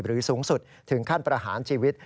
สูงสุดถึงขั้นประหารชีวิต